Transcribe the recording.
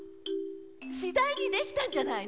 次第にできたんじゃないの？